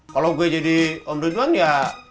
kalau gue jadi om ridwan ya